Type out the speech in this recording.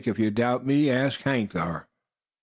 If you doubt me, ask Hank there."